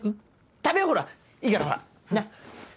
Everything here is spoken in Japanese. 食べようほらいいからほらな。